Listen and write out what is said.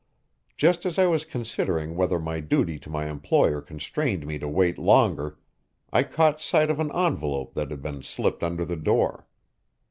Just as I was considering whether my duty to my employer constrained me to wait longer, I caught sight of an envelope that had been slipped under the door.